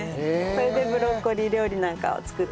それでブロッコリー料理なんかを作ったりしてます。